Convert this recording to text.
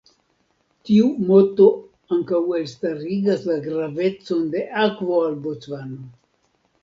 Tiu moto ankaŭ elstarigas la gravecon de akvo al Bocvano.